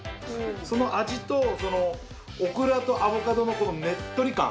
その味とオクラとアボカドのねっとり感。